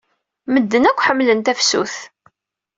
Medden akk ḥemmlen tafsut.